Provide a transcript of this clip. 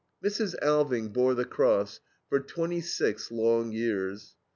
Mrs. Alving bore the cross for twenty six long years.